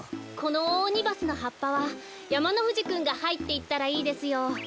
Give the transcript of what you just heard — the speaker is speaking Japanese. このオオオニバスのはっぱはやまのふじくんがはいっていったらいいですよ。